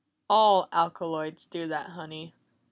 "All alkaloids do that, Honey.